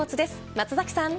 松崎さん。